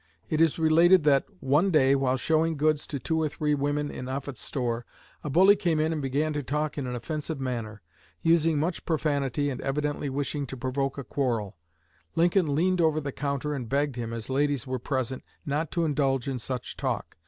It is related that "One day while showing goods to two or three women in Offutt's store, a bully came in and began to talk in an offensive manner, using much profanity and evidently wishing to provoke a quarrel. Lincoln leaned over the counter and begged him, as ladies were present, not to indulge in such talk.